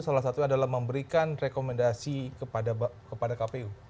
salah satunya adalah memberikan rekomendasi kepada kpu